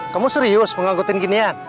kamu serius mengangkutin ginian